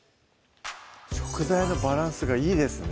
食材のバランスがいいですね